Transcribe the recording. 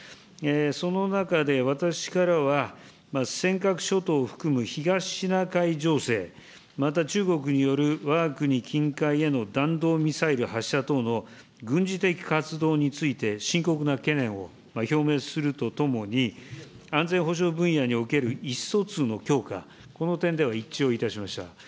その中で私からは、尖閣諸島を含む東シナ海情勢、また中国による、わが国近海への弾道ミサイル発射等の軍事的活動について、深刻な懸念を表明するとともに、安全保障分野における意思疎通の強化、この点では一致をいたしました。